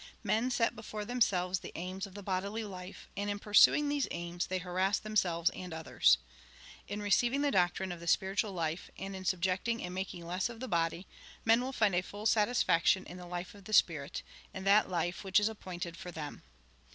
Men set before themselves the aims of the bodily life, and in pursuing these aims, they harass themselves and others. In receiving the doctrine of the spiritual life, and in subjecting and making less of the body, men will find a full satisfaction in the life of the Spirit, in that life which is appointed for them.